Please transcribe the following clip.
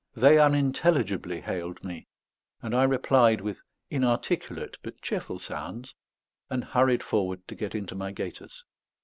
They unintelligibly hailed me, and I replied with inarticulate but cheerful sounds, and hurried forward to get into my gaiters.